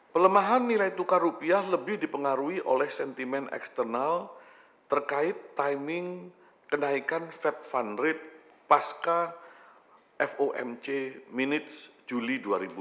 pelemahan nilai tukar rupiah lebih dipengaruhi oleh sentimen eksternal terkait timing kenaikan fed fund rate pasca fomc minutes juli dua ribu dua puluh